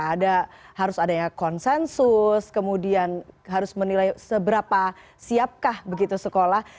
ada harus adanya konsensus kemudian harus menilai seberapa siapkah sekolah